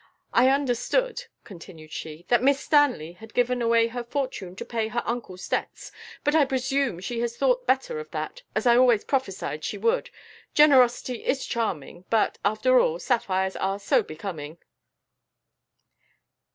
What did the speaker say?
I understood," continued she, "that Miss Stanley had given away her fortune to pay her uncle's debts, but I presume she has thought better of that, as I always prophesied she would generosity is charming, but, after all, sapphires are so becoming!"